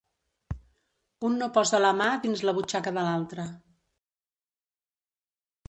Un no posa la mà dins la butxaca de l'altre.